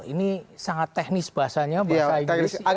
ini sangat teknis bahasanya bahasa inggris